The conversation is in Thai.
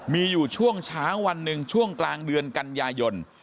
มีอยู่ช่วงเช้าวันหนึ่งช่วงกลางเดือนกันยายน